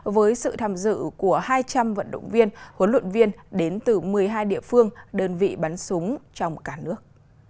với sự tham dự của hai trăm linh vận động viên huấn luyện viên đến từ một mươi hai địa phương đơn vị bắn súng trong cả nước